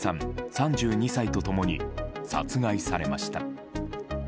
３２歳と共に殺害されました。